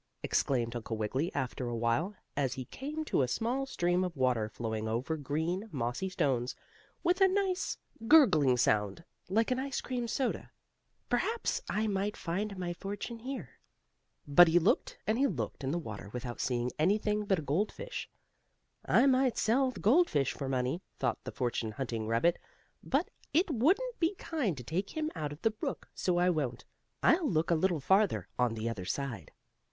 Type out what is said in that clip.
exclaimed Uncle Wiggily, after a while, as he came to a small stream of water flowing over green, mossy stones, with a nice gurgling sound like an ice cream soda, "perhaps I may find my fortune here." But he looked and he looked in the water without seeing anything but a goldfish. "I might sell the goldfish for money," thought the fortune hunting rabbit, "but it wouldn't be kind to take him out of the brook, so I won't. I'll look a little farther, on the other side."